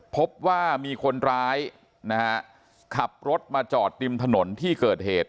พบว่ามีคนร้ายนะฮะขับรถมาจอดริมถนนที่เกิดเหตุ